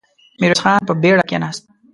ميرويس خان په بېړه کېناست.